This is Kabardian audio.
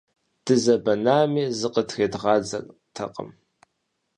Дызэбэнами, зыкъытрезгъадзэртэкъым.